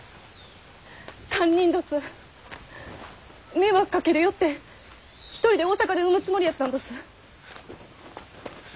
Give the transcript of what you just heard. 迷惑かけるよって一人で大阪で産むつもりやったんどす。